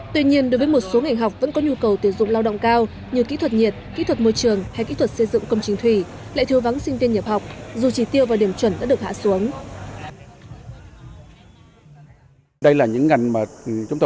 tuy nhiên đối với một số ngành học vẫn có nhu cầu tuyển dụng lao động cao như kỹ thuật nhiệt kỹ thuật môi trường hay kỹ thuật xây dựng công trình thủy lại thiếu vắng sinh viên nhập học dù chỉ tiêu và điểm chuẩn đã được hạ xuống